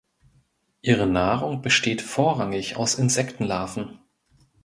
Ihre Nahrung besteht vorrangig aus Insektenlarven.